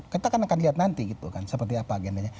kita kan akan lihat nanti gitu kan seperti apa agendanya